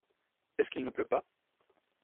Est-ce qu’il ne pleut pas ?